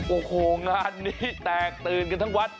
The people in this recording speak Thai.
โอ้โหงานนี้แตกตื่นกันทั้งวัด